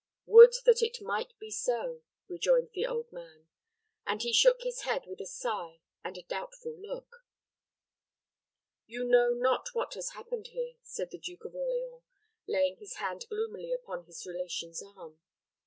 "Would that it might be so," rejoined the old man; and he shook his head with a sigh and a doubtful look. "You know not what has happened here," said the Duke of Orleans, laying his hand gloomily upon his relation's arm.